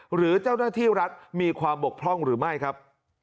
หรือเจ้าหน้าที่รัฐมีความบกพร่องหรือไม่ครับ